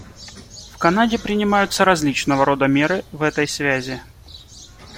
В Канаде принимаются различного рода меры в этой связи.